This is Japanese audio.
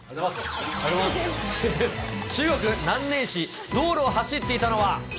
中国・南寧市、道路を走っていたのは。